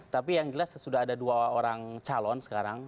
tapi yang jelas sudah ada dua orang calon sekarang